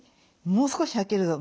もう少しはけるぞ。